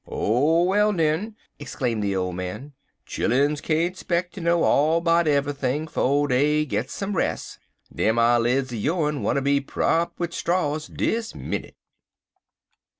"Oh, well den!" exclaimed the old man, "chilluns can't speck ter know all 'bout eve'ything 'fo' dey git some res'. Dem eyelids er yone wanter be propped wid straws dis minnit."